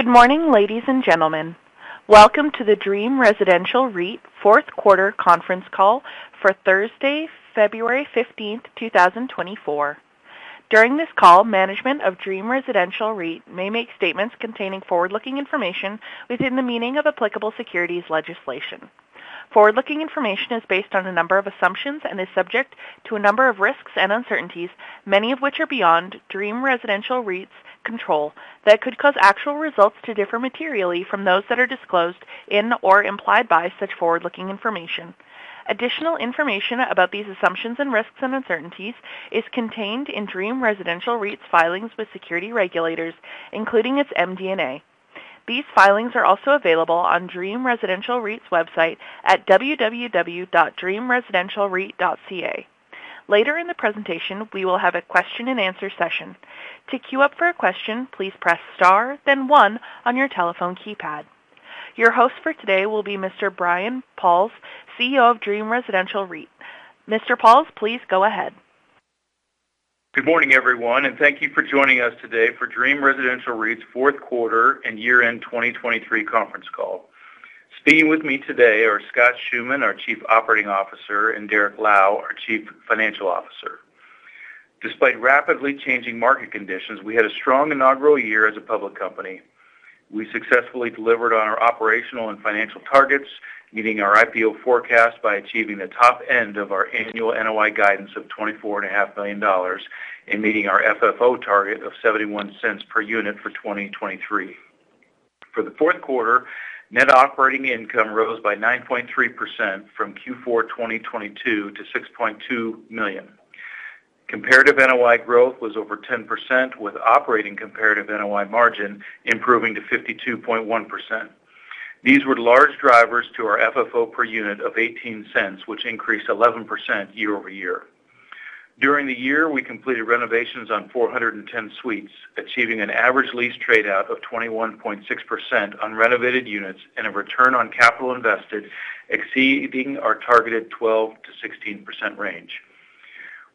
Good morning, ladies and gentlemen. Welcome to the Dream Residential REIT fourth-quarter conference call for Thursday, February 15, 2024. During this call, management of Dream Residential REIT may make statements containing forward-looking information within the meaning of applicable securities legislation. Forward-looking information is based on a number of assumptions and is subject to a number of risks and uncertainties, many of which are beyond Dream Residential REIT's control, that could cause actual results to differ materially from those that are disclosed in or implied by such forward-looking information. Additional information about these assumptions and risks and uncertainties is contained in Dream Residential REIT's filings with security regulators, including its MD&A. These filings are also available on Dream Residential REIT's website at www.dreamresidentialreit.ca. Later in the presentation, we will have a question-and-answer session. To queue up for a question, please press star then one on your telephone keypad. Your host for today will be Mr. Brian Pauls, CEO of Dream Residential REIT. Mr. Pauls, please go ahead. Good morning, everyone, and thank you for joining us today for Dream Residential REIT's fourth-quarter and year-end 2023 conference call. Speaking with me today are Scott Schoeman, our Chief Operating Officer, and Derrick Lau, our Chief Financial Officer. Despite rapidly changing market conditions, we had a strong inaugural year as a public company. We successfully delivered on our operational and financial targets, meeting our IPO forecast by achieving the top end of our annual NOI guidance of $24.5 billion and meeting our FFO target of $0.71 per unit for 2023. For the fourth quarter, net operating income rose by 9.3% from Q4 2022 to $6.2 million. Comparative NOI growth was over 10%, with operating comparative NOI margin improving to 52.1%. These were large drivers to our FFO per unit of $0.18, which increased 11% year over year. During the year, we completed renovations on 410 suites, achieving an average lease tradeout of 21.6% on renovated units and a return on capital invested exceeding our targeted 12%-16% range.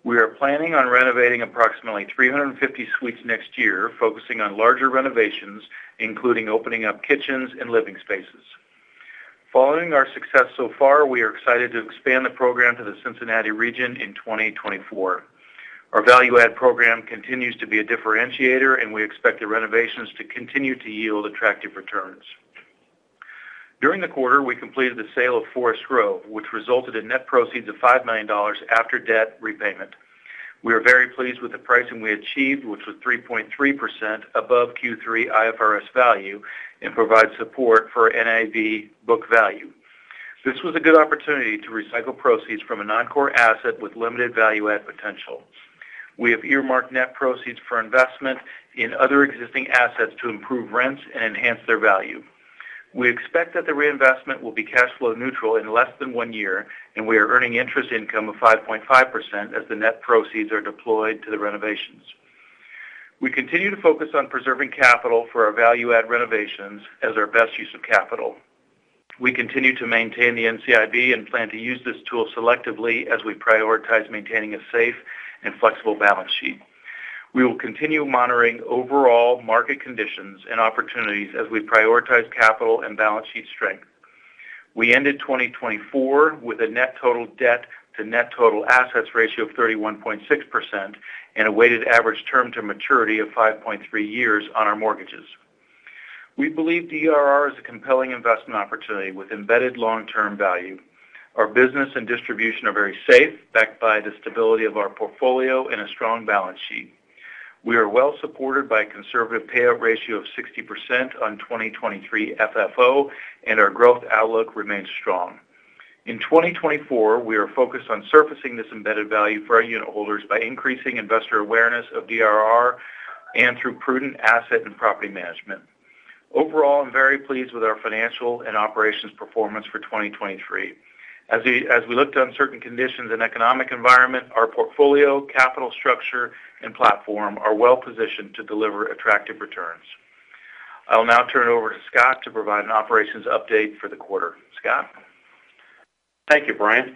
We are planning on renovating approximately 350 suites next year, focusing on larger renovations, including opening up kitchens and living spaces. Following our success so far, we are excited to expand the program to the Cincinnati region in 2024. Our Value-Add Program continues to be a differentiator, and we expect the renovations to continue to yield attractive returns. During the quarter, we completed the sale of Forest Grove, which resulted in net proceeds of $5 million after debt repayment. We are very pleased with the pricing we achieved, which was 3.3% above Q3 IFRS value and provides support for NAV book value. This was a good opportunity to recycle proceeds from a non-core asset with limited Value-Add potential. We have earmarked net proceeds for investment in other existing assets to improve rents and enhance their value. We expect that the reinvestment will be cash flow neutral in less than one year, and we are earning interest income of 5.5% as the net proceeds are deployed to the renovations. We continue to focus on preserving capital for our value-add renovations as our best use of capital. We continue to maintain the NCIB and plan to use this tool selectively as we prioritize maintaining a safe and flexible balance sheet. We will continue monitoring overall market conditions and opportunities as we prioritize capital and balance sheet strength. We ended 2024 with a net total debt-to-net total assets ratio of 31.6% and a weighted average term to maturity of 5.3 years on our mortgages. We believe DRR is a compelling investment opportunity with embedded long-term value. Our business and distribution are very safe, backed by the stability of our portfolio and a strong balance sheet. We are well supported by a conservative payout ratio of 60% on 2023 FFO, and our growth outlook remains strong. In 2024, we are focused on surfacing this embedded value for our unit holders by increasing investor awareness of DRR and through prudent asset and property management. Overall, I'm very pleased with our financial and operations performance for 2023. As we looked at uncertain conditions and economic environment, our portfolio, capital structure, and platform are well positioned to deliver attractive returns. I'll now turn it over to Scott to provide an operations update for the quarter. Scott? Thank you, Brian.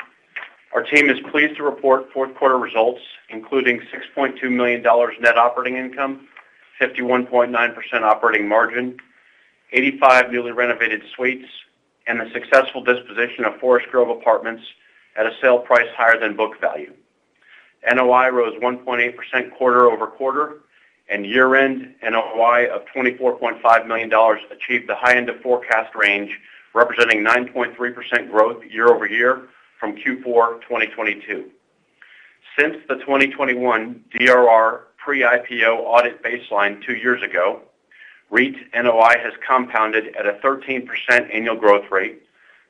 Our team is pleased to report fourth-quarter results, including $6.2 million net operating income, 51.9% operating margin, 85 newly renovated suites, and the successful disposition of Forest Grove apartments at a sale price higher than book value. NOI rose 1.8% quarter-over-quarter, and year-end NOI of $24.5 million achieved the high-end of forecast range, representing 9.3% growth year-over-year from Q4 2022. Since the 2021 DRR pre-IPO audit baseline two years ago, REIT NOI has compounded at a 13% annual growth rate,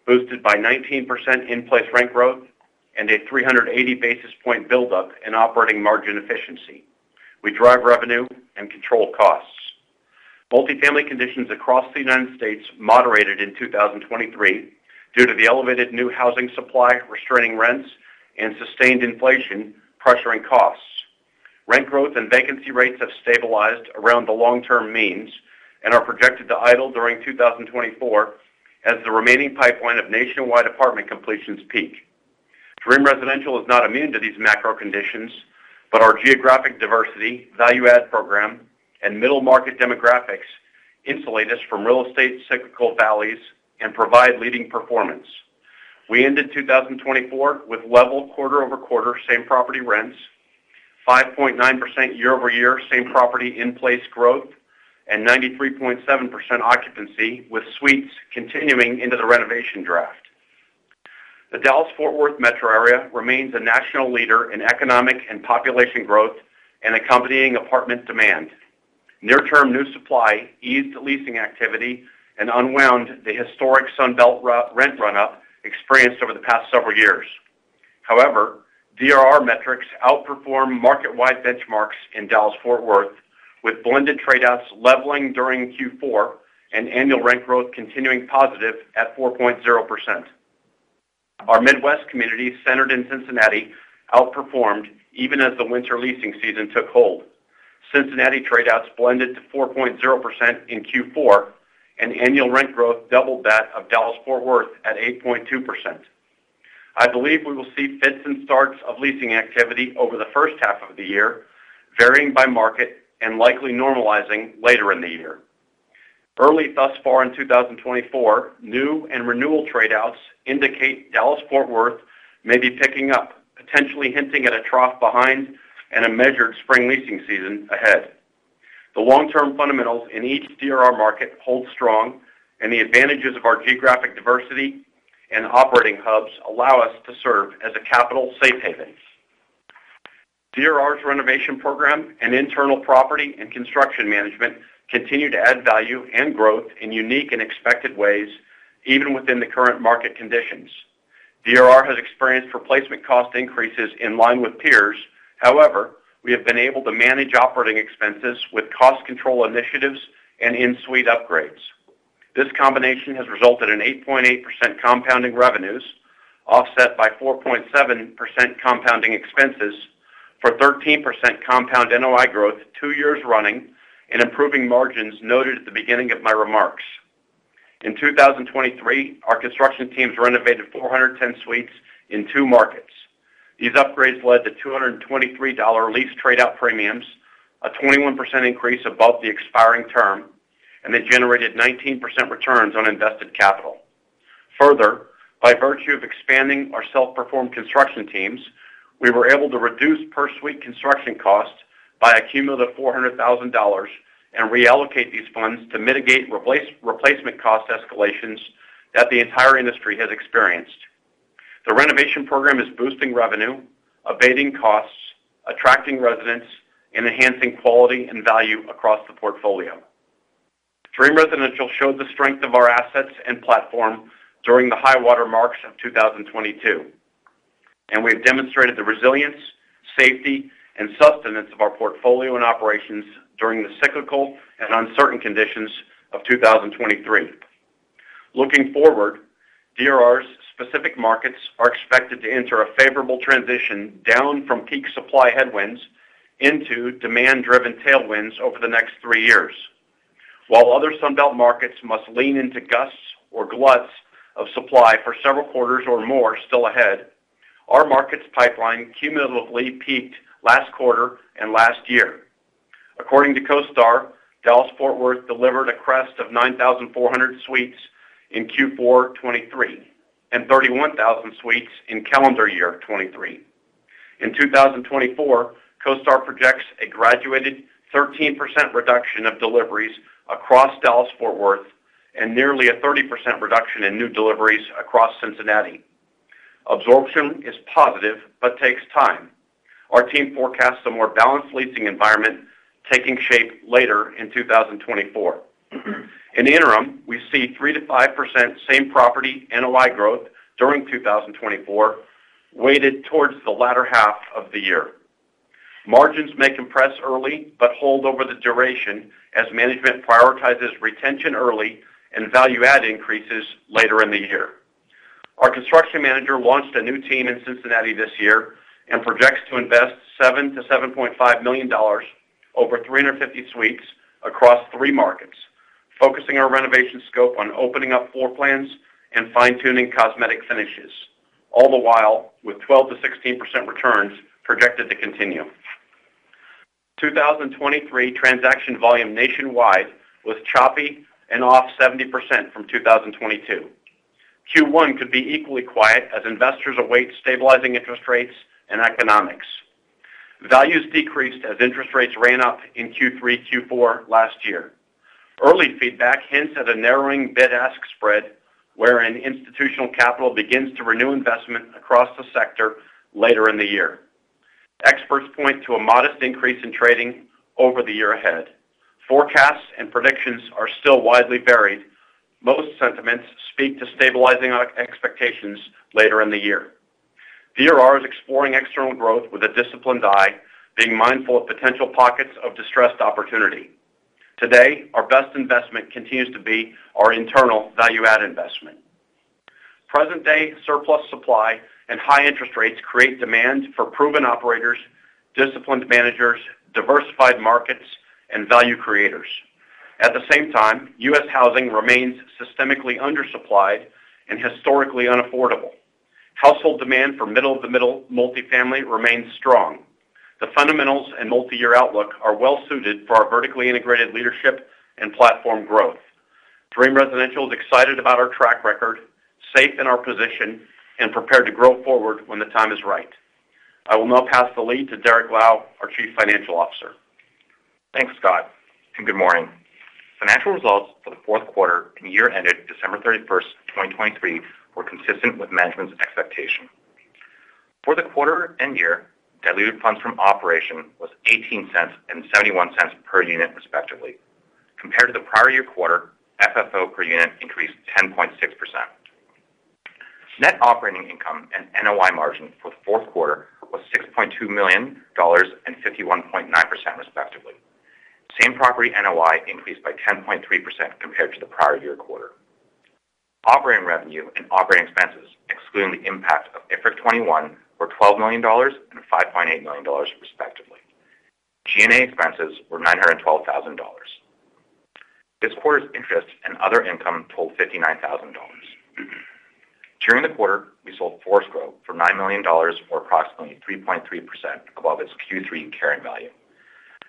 boosted by 19% in-place rent growth, and a 380 basis point buildup in operating margin efficiency. We drive revenue and control costs. Multifamily conditions across the United States moderated in 2023 due to the elevated new housing supply restraining rents and sustained inflation pressuring costs. Rent growth and vacancy rates have stabilized around the long-term means and are projected to idle during 2024 as the remaining pipeline of nationwide apartment completions peak. Dream Residential is not immune to these macro conditions, but our geographic diversity, Value-Add Program, and middle-market demographics insulate us from real estate cyclical valleys and provide leading performance. We ended 2024 with level quarter-over-quarter same property rents, 5.9% year-over-year same property in-place growth, and 93.7% occupancy, with suites continuing into the renovation draft. The Dallas-Fort Worth metro area remains a national leader in economic and population growth and accompanying apartment demand. Near-term new supply eased leasing activity and unwound the historic Sunbelt rent run-up experienced over the past several years. However, DRR metrics outperformed market-wide benchmarks in Dallas-Fort Worth, with blended tradeouts leveling during Q4 and annual rent growth continuing positive at 4.0%. Our Midwest community, centered in Cincinnati, outperformed even as the winter leasing season took hold. Cincinnati tradeouts blended to 4.0% in Q4, and annual rent growth doubled that of Dallas-Fort Worth at 8.2%. I believe we will see fits and starts of leasing activity over the first half of the year, varying by market and likely normalizing later in the year. Early thus far in 2024, new and renewal tradeouts indicate Dallas-Fort Worth may be picking up, potentially hinting at a trough behind and a measured spring leasing season ahead. The long-term fundamentals in each DRR market hold strong, and the advantages of our geographic diversity and operating hubs allow us to serve as a capital safe haven. DRR's renovation program and internal property and construction management continue to add value and growth in unique and expected ways, even within the current market conditions. DRR has experienced replacement cost increases in line with peers. However, we have been able to manage operating expenses with cost control initiatives and in-suite upgrades. This combination has resulted in 8.8% compounding revenues offset by 4.7% compounding expenses for 13% compound NOI growth two years running and improving margins noted at the beginning of my remarks. In 2023, our construction teams renovated 410 suites in two markets. These upgrades led to $223 lease tradeout premiums, a 21% increase above the expiring term, and they generated 19% returns on invested capital. Further, by virtue of expanding our self-performed construction teams, we were able to reduce per suite construction cost by a cumulative $400,000 and reallocate these funds to mitigate replacement cost escalations that the entire industry has experienced. The renovation program is boosting revenue, abating costs, attracting residents, and enhancing quality and value across the portfolio. Dream Residential showed the strength of our assets and platform during the high watermarks of 2022, and we have demonstrated the resilience, safety, and sustenance of our portfolio and operations during the cyclical and uncertain conditions of 2023. Looking forward, DRR's specific markets are expected to enter a favorable transition down from peak supply headwinds into demand-driven tailwinds over the next three years. While other Sunbelt markets must lean into gusts or gluts of supply for several quarters or more still ahead, our market's pipeline cumulatively peaked last quarter and last year. According to CoStar, Dallas-Fort Worth delivered a crest of 9,400 suites in Q4 2023 and 31,000 suites in calendar year 2023. In 2024, CoStar projects a graduated 13% reduction of deliveries across Dallas-Fort Worth and nearly a 30% reduction in new deliveries across Cincinnati. Absorption is positive but takes time. Our team forecasts a more balanced leasing environment taking shape later in 2024. In the interim, we see 3%-5% same property NOI growth during 2024, weighted towards the latter half of the year. Margins may compress early but hold over the duration as management prioritizes retention early and value-add increases later in the year. Our construction manager launched a new team in Cincinnati this year and projects to invest $7-$7.5 million over 350 suites across three markets, focusing our renovation scope on opening up floor plans and fine-tuning cosmetic finishes, all the while with 12%-16% returns projected to continue. 2023 transaction volume nationwide was choppy and off 70% from 2022. Q1 could be equally quiet as investors await stabilizing interest rates and economics. Values decreased as interest rates ran up in Q3, Q4 last year. Early feedback hints at a narrowing bid-ask spread wherein institutional capital begins to renew investment across the sector later in the year. Experts point to a modest increase in trading over the year ahead. Forecasts and predictions are still widely varied. Most sentiments speak to stabilizing expectations later in the year. DRR is exploring external growth with a disciplined eye, being mindful of potential pockets of distressed opportunity. Today, our best investment continues to be our internal value-add investment. Present-day surplus supply and high interest rates create demand for proven operators, disciplined managers, diversified markets, and value creators. At the same time, U.S. housing remains systemically undersupplied and historically unaffordable. Household demand for middle-of-the-middle multifamily remains strong. The fundamentals and multi-year outlook are well-suited for our vertically integrated leadership and platform growth. Dream Residential is excited about our track record, safe in our position, and prepared to grow forward when the time is right. I will now pass the lead to Derrick Lau, our Chief Financial Officer. Thanks, Scott. Good morning. Financial results for the fourth quarter and year ended December 31st, 2023, were consistent with management's expectation. For the quarter and year, diluted funds from operation was $0.18 and $0.71 per unit, respectively. Compared to the prior year quarter, FFO per unit increased 10.6%. Net operating income and NOI margin for the fourth quarter was $6.2 million and 51.9%, respectively. Same property NOI increased by 10.3% compared to the prior year quarter. Operating revenue and operating expenses, excluding the impact of IFRIC 21, were $12 million and $5.8 million, respectively. G&A expenses were $912,000. This quarter's interest and other income totaled $59,000. During the quarter, we sold Forest Grove for $9 million or approximately 3.3% above its Q3 carrying value.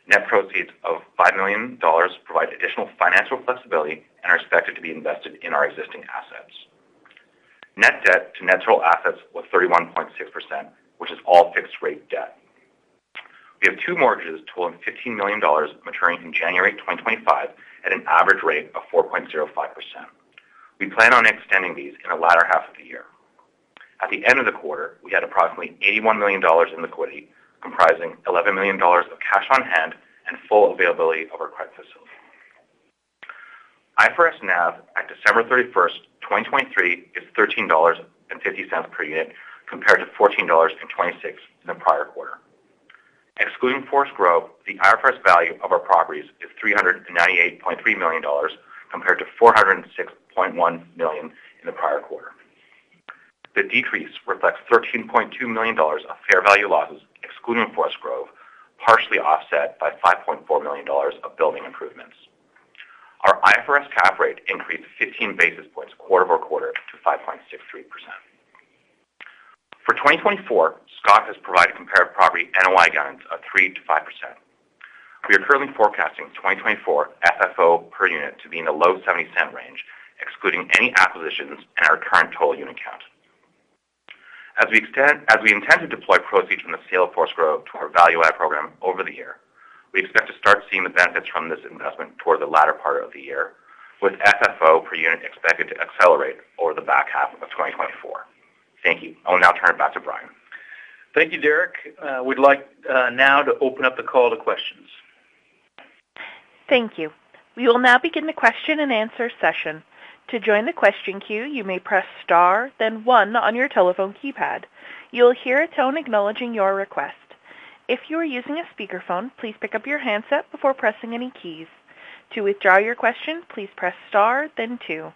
Net proceeds of $5 million provide additional financial flexibility and are expected to be invested in our existing assets. Net debt to net total assets was 31.6%, which is all fixed-rate debt. We have two mortgages totaling $15 million maturing in January 2025 at an average rate of 4.05%. We plan on extending these in the latter half of the year. At the end of the quarter, we had approximately $81 million in liquidity, comprising $11 million of cash on hand and full availability of our credit facility. IFRS NAV at December 31st, 2023, is $13.50 per unit compared to $14.26 in the prior quarter. Excluding Forest Grove, the IFRS value of our properties is $398.3 million compared to $406.1 million in the prior quarter. The decrease reflects $13.2 million of fair value losses, excluding Forest Grove, partially offset by $5.4 million of building improvements. Our IFRS cap rate increased 15 basis points quarter-over-quarter to 5.63%. For 2024, Scott has provided comparative property NOI guidance of 3%-5%. We are currently forecasting 2024 FFO per unit to be in the low $0.70 range, excluding any acquisitions in our current total unit count. As we intend to deploy proceeds from the sale of Forest Grove to our value-add program over the year, we expect to start seeing the benefits from this investment toward the latter part of the year, with FFO per unit expected to accelerate over the back half of 2024. Thank you. I will now turn it back to Brian. Thank you, Derrick. We'd like now to open up the call to questions. Thank you. We will now begin the question and answer session. To join the question queue, you may press star, then one, on your telephone keypad. You'll hear a tone acknowledging your request. If you are using a speakerphone, please pick up your handset before pressing any keys. To withdraw your question, please press star, then two.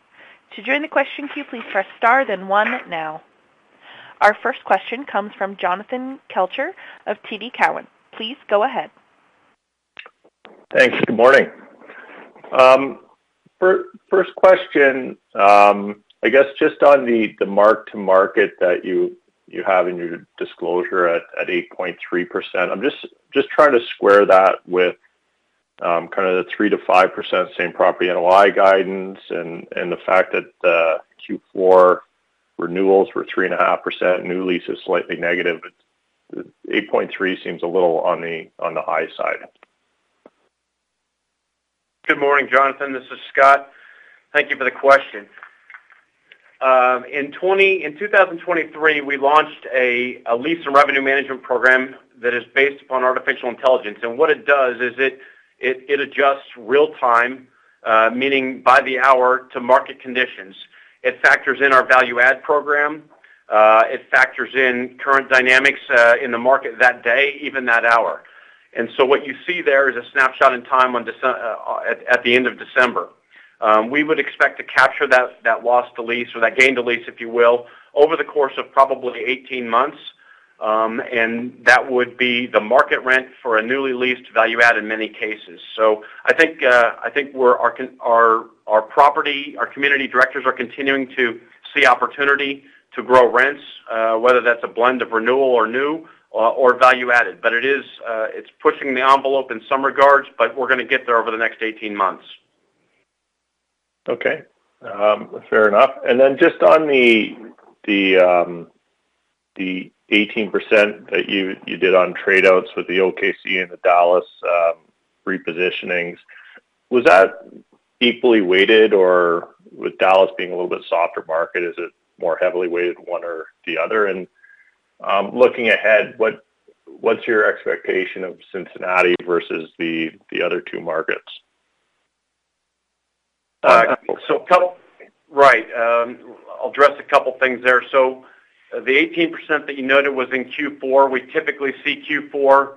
To join the question queue, please press star, then one, now. Our first question comes from Jonathan Kelcher of TD Cowen. Please go ahead. Thanks. Good morning. First question, I guess just on the mark-to-market that you have in your disclosure at 8.3%, I'm just trying to square that with kind of the 3%-5% same property NOI guidance and the fact that Q4 renewals were 3.5%, new leases slightly negative. 8.3% seems a little on the high side. Good morning, Jonathan. This is Scott. Thank you for the question. In 2023, we launched a lease and revenue management program that is based upon artificial intelligence. What it does is it adjusts real-time, meaning by the hour, to market conditions. It factors in our value-add program. It factors in current dynamics in the market that day, even that hour. What you see there is a snapshot in time at the end of December. We would expect to capture that lost to lease or that gained to lease, if you will, over the course of probably 18 months. That would be the market rent for a newly leased value-add in many cases. I think our community directors are continuing to see opportunity to grow rents, whether that's a blend of renewal or new or value-added. It's pushing the envelope in some regards, but we're going to get there over the next 18 months. Okay. Fair enough. And then just on the 18% that you did on tradeouts with the OKC and the Dallas repositionings, was that equally weighted? Or with Dallas being a little bit softer market, is it more heavily weighted, one or the other? And looking ahead, what's your expectation of Cincinnati versus the other two markets? Right. I'll address a couple of things there. So the 18% that you noted was in Q4. We typically see Q4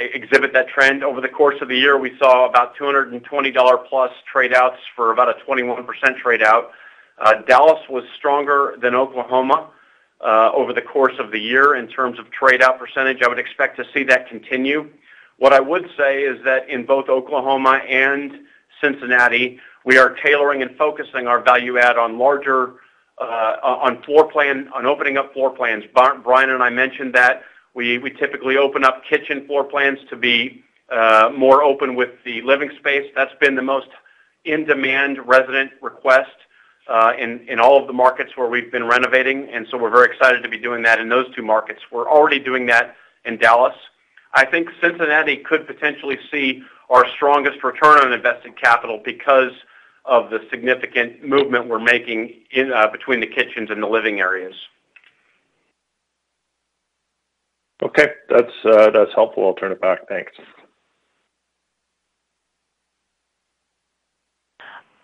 exhibit that trend. Over the course of the year, we saw about $220+ tradeouts for about a 21% tradeout. Dallas was stronger than Oklahoma over the course of the year in terms of tradeout percentage. I would expect to see that continue. What I would say is that in both Oklahoma and Cincinnati, we are tailoring and focusing our value-add on opening up floor plans. Brian and I mentioned that we typically open up kitchen floor plans to be more open with the living space. That's been the most in-demand resident request in all of the markets where we've been renovating. And so we're very excited to be doing that in those two markets. We're already doing that in Dallas. I think Cincinnati could potentially see our strongest return on invested capital because of the significant movement we're making between the kitchens and the living areas. Okay. That's helpful. I'll turn it back. Thanks.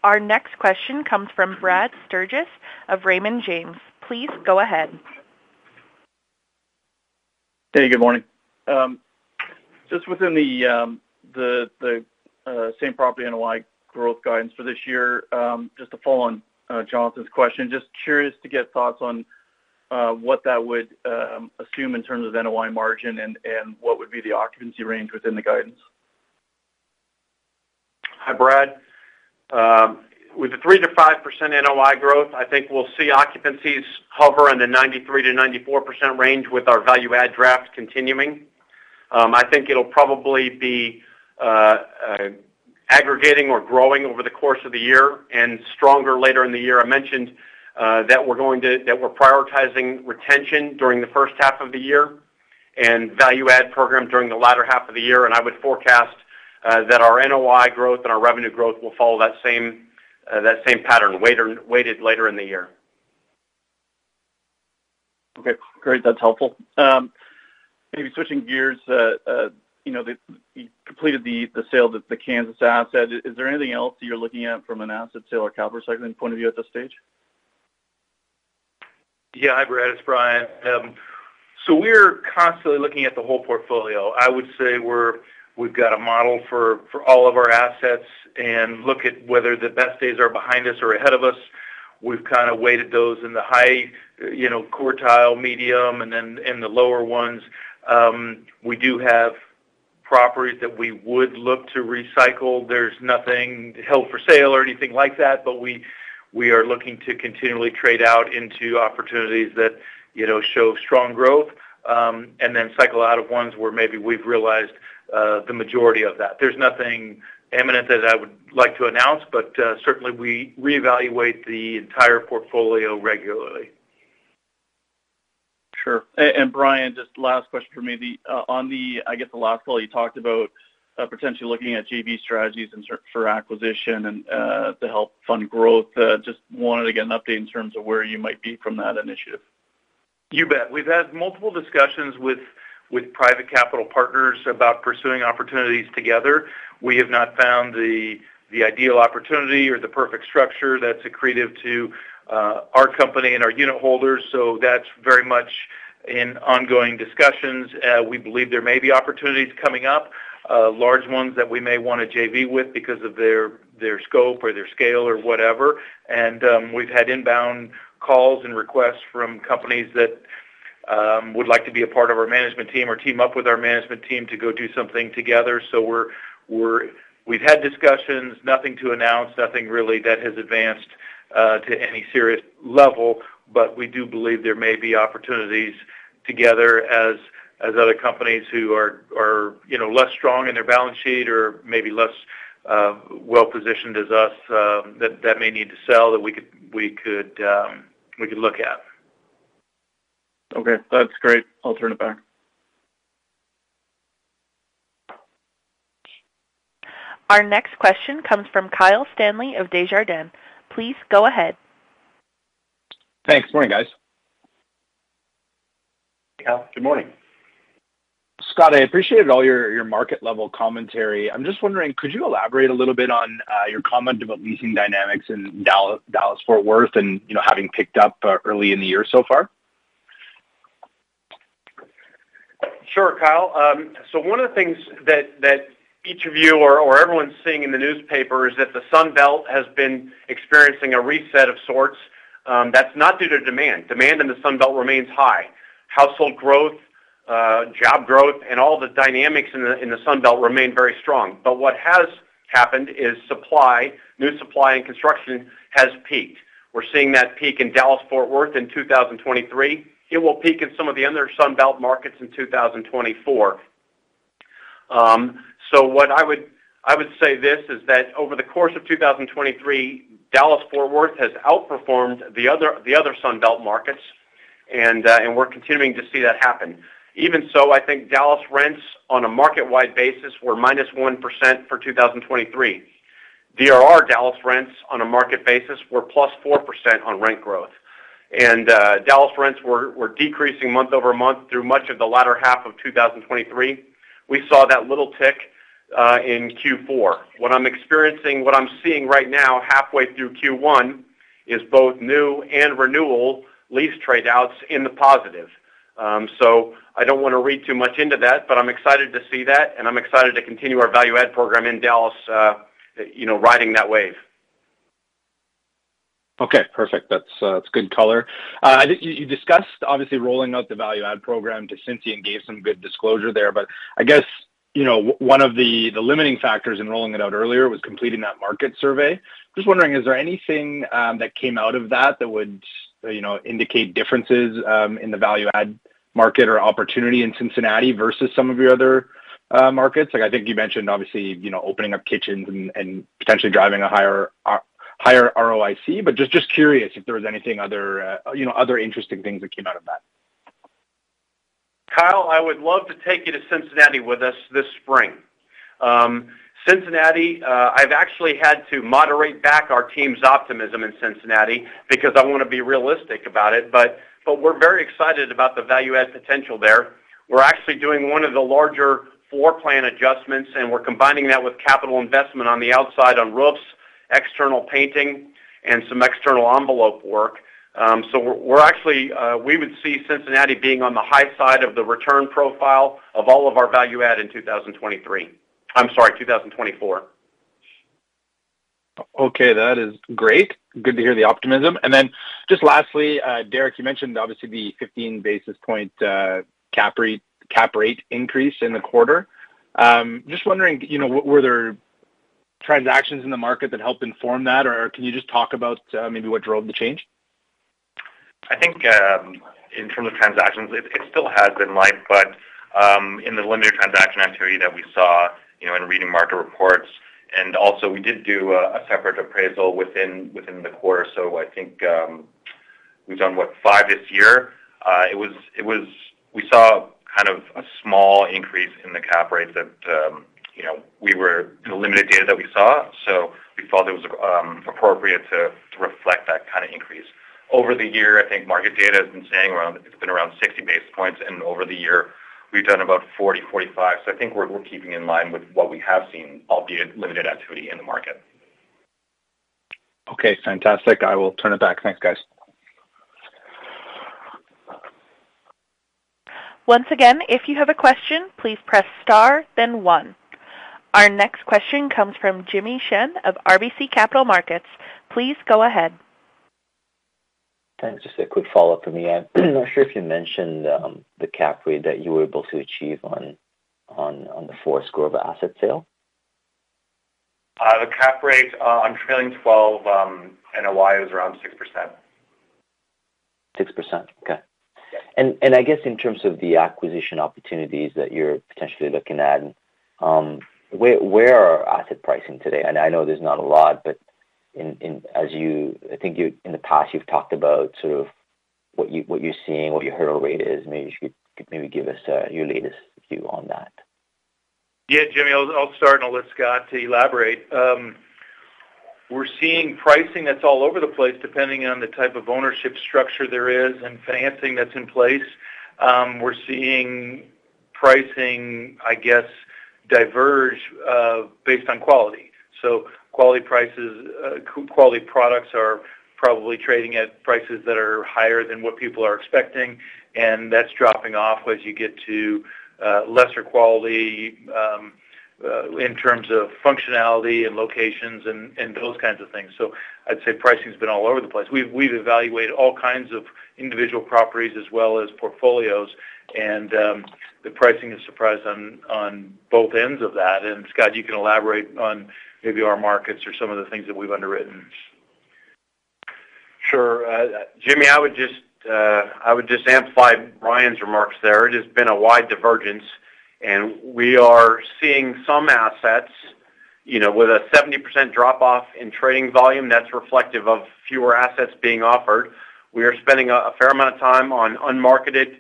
Our next question comes from Brad Sturgis of Raymond James. Please go ahead. Hey. Good morning. Just within the same property NOI growth guidance for this year, just to follow on Jonathan's question, just curious to get thoughts on what that would assume in terms of NOI margin and what would be the occupancy range within the guidance? Hi, Brad. With the 3%-5% NOI growth, I think we'll see occupancies hover in the 93%-94% range with our value-add program continuing. I think it'll probably be aggregating or growing over the course of the year and stronger later in the year. I mentioned that we're prioritizing retention during the first half of the year and value-add program during the latter half of the year. I would forecast that our NOI growth and our revenue growth will follow that same pattern, weighted later in the year. Okay. Great. That's helpful. Maybe switching gears, you completed the sale of the Kansas asset. Is there anything else you're looking at from an asset sale or capital recycling point of view at this stage? Yeah, hi, Brad. It's Brian. So we're constantly looking at the whole portfolio. I would say we've got a model for all of our assets and look at whether the best days are behind us or ahead of us. We've kind of weighted those in the high quartile, medium, and then in the lower ones. We do have properties that we would look to recycle. There's nothing held for sale or anything like that, but we are looking to continually trade out into opportunities that show strong growth and then cycle out of ones where maybe we've realized the majority of that. There's nothing imminent that I would like to announce, but certainly, we reevaluate the entire portfolio regularly. Sure. And Brian, just last question for me. I guess the last call, you talked about potentially looking at GV strategies for acquisition to help fund growth. Just wanted to get an update in terms of where you might be from that initiative. You bet. We've had multiple discussions with private capital partners about pursuing opportunities together. We have not found the ideal opportunity or the perfect structure that's accretive to our company and our unit holders. So that's very much in ongoing discussions. We believe there may be opportunities coming up, large ones that we may want to JV with because of their scope or their scale or whatever. And we've had inbound calls and requests from companies that would like to be a part of our management team or team up with our management team to go do something together. So we've had discussions, nothing to announce, nothing really that has advanced to any serious level. We do believe there may be opportunities together as other companies who are less strong in their balance sheet or maybe less well-positioned as us that may need to sell that we could look at. Okay. That's great. I'll turn it back. Our next question comes from Kyle Stanley of Desjardins. Please go ahead. Thanks. Morning, guys. Hey, Kyle. Good morning. Scott, I appreciated all your market-level commentary. I'm just wondering, could you elaborate a little bit on your comment about leasing dynamics in Dallas-Fort Worth and having picked up early in the year so far? Sure, Kyle. So one of the things that each of you or everyone's seeing in the newspaper is that the Sunbelt has been experiencing a reset of sorts. That's not due to demand. Demand in the Sunbelt remains high. Household growth, job growth, and all the dynamics in the Sunbelt remain very strong. But what has happened is new supply in construction has peaked. We're seeing that peak in Dallas-Fort Worth in 2023. It will peak in some of the other Sunbelt markets in 2024. So what I would say this is that over the course of 2023, Dallas-Fort Worth has outperformed the other Sunbelt markets, and we're continuing to see that happen. Even so, I think Dallas rents on a market-wide basis were -1% for 2023. DRR Dallas rents on a market basis were +4% on rent growth. Dallas rents were decreasing month-over-month through much of the latter half of 2023. We saw that little tick in Q4. What I'm seeing right now halfway through Q1 is both new and renewal lease tradeouts in the positive. So I don't want to read too much into that, but I'm excited to see that, and I'm excited to continue our value-add program in Dallas riding that wave. Okay. Perfect. That's good color. You discussed, obviously, rolling out the value-add program. Cynthian gave some good disclosure there. But I guess one of the limiting factors in rolling it out earlier was completing that market survey. Just wondering, is there anything that came out of that that would indicate differences in the value-add market or opportunity in Cincinnati versus some of your other markets? I think you mentioned, obviously, opening up kitchens and potentially driving a higher ROIC. But just curious if there was anything other interesting things that came out of that? Kyle, I would love to take you to Cincinnati with us this spring. I've actually had to moderate back our team's optimism in Cincinnati because I want to be realistic about it. But we're very excited about the value-add potential there. We're actually doing one of the larger floor plan adjustments, and we're combining that with capital investment on the outside on roofs, external painting, and some external envelope work. So we would see Cincinnati being on the high side of the return profile of all of our value-add in 2023, I'm sorry, 2024. Okay. That is great. Good to hear the optimism. And then just lastly, Derrick, you mentioned, obviously, the 15 basis points cap rate increase in the quarter. Just wondering, were there transactions in the market that helped inform that, or can you just talk about maybe what drove the change? I think in terms of transactions, it still has been light, but in the limited transaction activity that we saw in reading market reports and also, we did do a separate appraisal within the quarter. So I think we've done, what, 5 this year? We saw kind of a small increase in the cap rate that we were in the limited data that we saw. So we thought it was appropriate to reflect that kind of increase. Over the year, I think market data has been saying it's been around 60 basis points. And over the year, we've done about 40-45. So I think we're keeping in line with what we have seen, albeit limited activity in the market. Okay. Fantastic. I will turn it back. Thanks, guys. Once again, if you have a question, please press star, then one. Our next question comes from Jimmy Shan of RBC Capital Markets. Please go ahead. Thanks. Just a quick follow-up from me. I'm not sure if you mentioned the cap rate that you were able to achieve on the Forest Grove asset sale. The Cap Rate on trailing 12 NOI was around 6%. 6%. Okay. I guess in terms of the acquisition opportunities that you're potentially looking at, where are asset pricing today? And I know there's not a lot, but I think in the past, you've talked about sort of what you're seeing, what your hurdle rate is. Maybe you could maybe give us your latest view on that. Yeah, Jimmy. I'll start and I'll let Scott elaborate. We're seeing pricing that's all over the place depending on the type of ownership structure there is and financing that's in place. We're seeing pricing, I guess, diverge based on quality. So quality products are probably trading at prices that are higher than what people are expecting, and that's dropping off as you get to lesser quality in terms of functionality and locations and those kinds of things. So I'd say pricing's been all over the place. We've evaluated all kinds of individual properties as well as portfolios, and the pricing has surprised on both ends of that. And Scott, you can elaborate on maybe our markets or some of the things that we've underwritten. Sure. Jimmy, I would just amplify Brian's remarks there. It has been a wide divergence, and we are seeing some assets with a 70% drop-off in trading volume. That's reflective of fewer assets being offered. We are spending a fair amount of time on unmarketed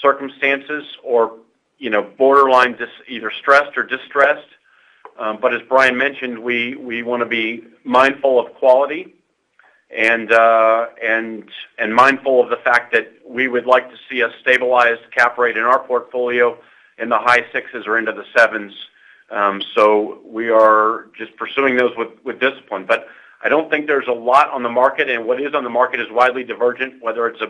circumstances or borderline either stressed or distressed. But as Brian mentioned, we want to be mindful of quality and mindful of the fact that we would like to see a stabilized cap rate in our portfolio in the high sixes or into the sevens. So we are just pursuing those with discipline. But I don't think there's a lot on the market, and what is on the market is widely divergent, whether it's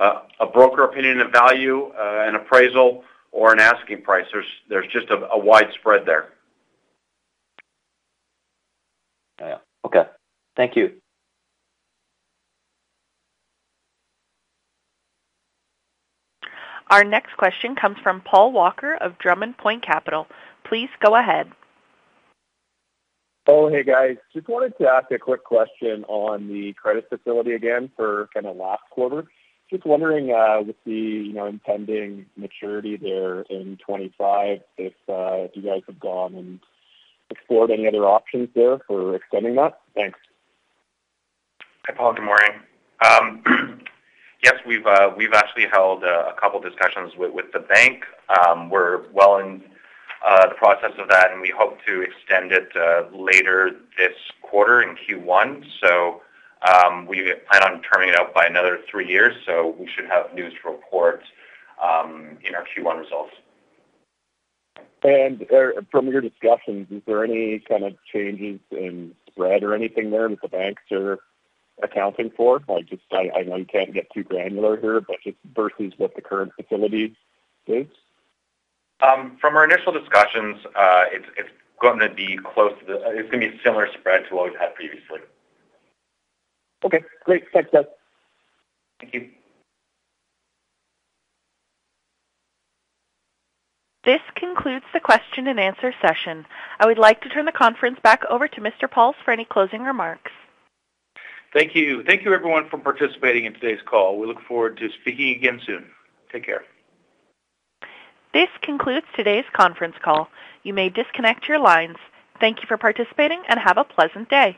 a broker opinion of value, an appraisal, or an asking price. There's just a wide spread there. Yeah. Okay. Thank you. Our next question comes from Paul Walker of Drummond Point Capital. Please go ahead. Oh, hey, guys. Just wanted to ask a quick question on the credit facility again for kind of last quarter. Just wondering with the impending maturity there in 2025 if you guys have gone and explored any other options there for extending that? Thanks. Hi, Paul. Good morning. Yes, we've actually held a couple of discussions with the bank. We're well in the process of that, and we hope to extend it later this quarter in Q1. So we plan on turning it out by another three years, so we should have news to report in our Q1 results. From your discussions, is there any kind of changes in spread or anything there that the banks are accounting for? I know you can't get too granular here, but just versus what the current facility is? From our initial discussions, it's going to be close to a similar spread to what we've had previously. Okay. Great. Thanks, guys. Thank you. This concludes the question-and-answer session. I would like to turn the conference back over to Mr. Pauls for any closing remarks. Thank you. Thank you, everyone, for participating in today's call. We look forward to speaking again soon. Take care. This concludes today's conference call. You may disconnect your lines. Thank you for participating, and have a pleasant day.